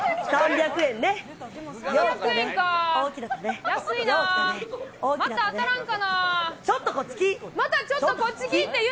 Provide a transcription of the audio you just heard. ３００円か。